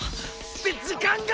って時間が！